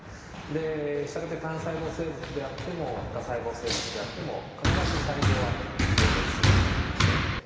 で従って単細胞生物であっても多細胞生物であっても必ず細胞は分裂するんですね。